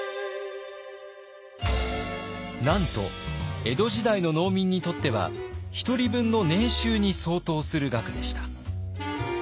なんと江戸時代の農民にとっては１人分の年収に相当する額でした。